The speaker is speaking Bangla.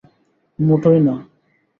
মোটোই না।